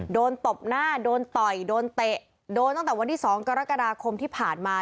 ตบหน้าโดนต่อยโดนเตะโดนตั้งแต่วันที่๒กรกฎาคมที่ผ่านมา